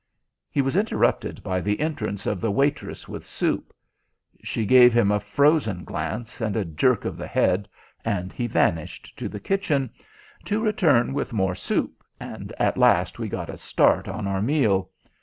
He was interrupted by the entrance of the waitress with soup. She gave him a frozen glance and a jerk of the head, and he vanished to the kitchen, to return with more soup, and at last we got a start on our meal.